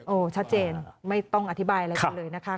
ชัดเจนไม่ต้องอธิบายอะไรกันเลยนะคะ